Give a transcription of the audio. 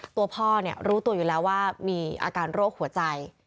ตัวพ่อรู้ตัวอยู่แล้วว่ามีอาการโรคหัวใจ